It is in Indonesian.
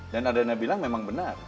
dan adriana bilang memang benar